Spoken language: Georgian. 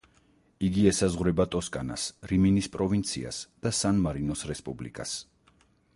იგი ესაზღვრება ტოსკანას, რიმინის პროვინციას და სან-მარინოს რესპუბლიკას.